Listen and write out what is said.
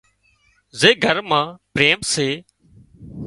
زي گھر مان پريم سي